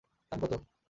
দাম কত?